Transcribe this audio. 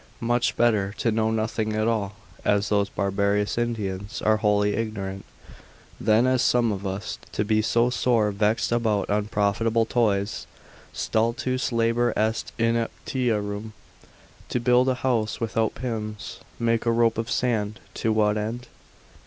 Much better to know nothing at all, as those barbarous Indians are wholly ignorant, than as some of us, to be so sore vexed about unprofitable toys: stultus labor est ineptiarum, to build a house without pins, make a rope of sand, to what end?